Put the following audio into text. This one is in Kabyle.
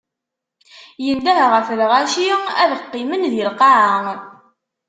Indeh ɣef lɣaci ad qqimen di lqaɛa.